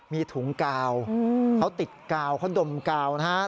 มีถุงกาวเขาติดกาวเขาดมกาวนะครับ